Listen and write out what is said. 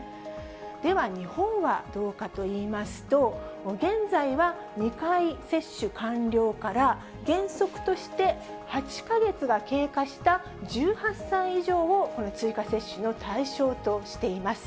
では、日本はどうかといいますと、現在は、２回接種完了から、原則として８か月が経過した１８歳以上を、この追加接種の対象としています。